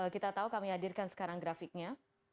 kita tahu kami hadirkan sekarang grafiknya